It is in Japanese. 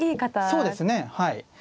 そうですねはい。